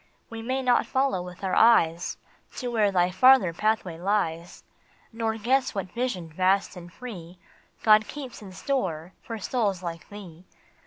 We may not follow with our eyes To where thy farther pathway lies, Nor guess what vision vast and free God keeps in store for souls like thee.